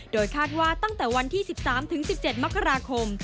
โดยคาดว่าตั้งแต่วันที่๑๓๑๗มกราคม